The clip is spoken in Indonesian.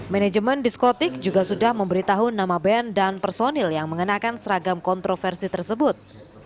manajemen diskotik juga sudah memberitahu nama band dan personil yang mengenakan seragam kontroversi tersebut